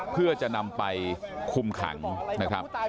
เพื่อจะนำไปคุมขังนะครับ